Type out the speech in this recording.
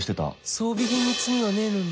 装備品に罪はねえのに